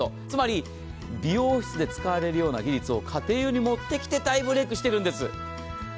つまり美容室で使われるような技術を家庭用に持ってきて大ブレークしているんです。